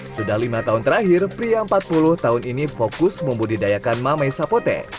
sudah lima tahun terakhir pria empat puluh tahun ini fokus membudidayakan mame sapote